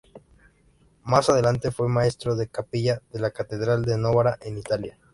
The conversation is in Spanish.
Más adelante, fue maestro de capilla de la catedral de Novara en Italia.